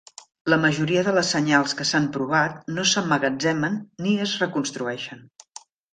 La majoria de les senyals que s'han provat no s'emmagatzemen ni es reconstrueixen.